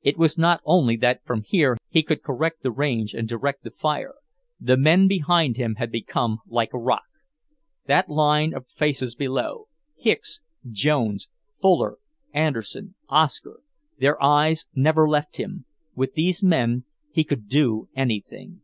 It was not only that from here he could correct the range and direct the fire; the men behind him had become like rock. That line of faces below; Hicks, Jones, Fuller, Anderson, Oscar.... Their eyes never left him. With these men he could do anything.